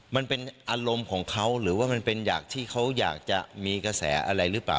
มันเป็นอารมณ์ของเขาหรือว่ามันเป็นอย่างที่เขาอยากจะมีกระแสอะไรหรือเปล่า